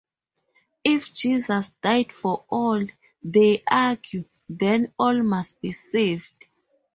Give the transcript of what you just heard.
If Jesus died for all, they argue, then all must be saved.